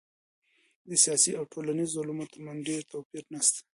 د سیاسي او ټولنیزو علومو ترمنځ ډېر توپیر نسته.